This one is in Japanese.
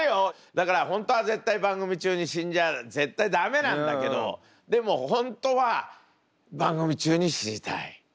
だから本当は絶対番組中に死んじゃあ絶対駄目なんだけどでも本当は番組中に死にたい。